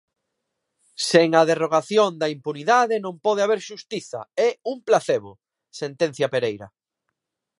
"Sen a derrogación da impunidade non pode haber xustiza, é un placebo", sentencia Pereira.